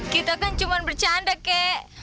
kita kan cuma bercanda kek